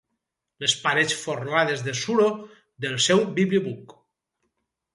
Les parets folrades de suro del seu bibliobuc.